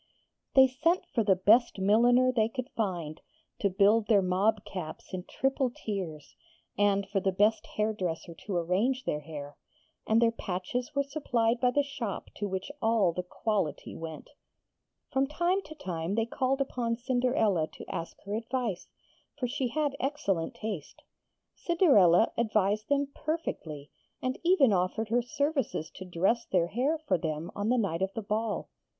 They sent for the best milliner they could find, to build their mob caps in triple tiers; and for the best hairdresser to arrange their hair; and their patches were supplied by the shop to which all the Quality went. From time to time they called up Cinderella to ask her advice, for she had excellent taste. Cinderella advised them perfectly, and even offered her services to dress their hair for them on the night of the ball.